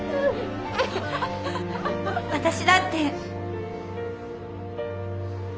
私だって。